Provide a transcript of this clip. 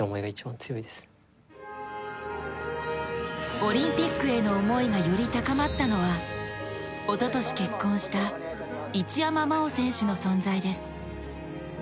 オリンピックへの思いがより高まったのは、おととし結婚した一山麻緒選手の存在です。